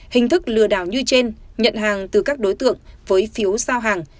hình thức lừa đảo như trên nhận hàng từ các đối tượng với phiếu sao hàng